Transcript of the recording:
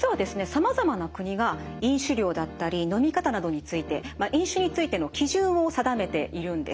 さまざまな国が飲酒量だったり飲み方などについて飲酒についての基準を定めているんです。